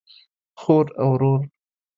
خور او ورور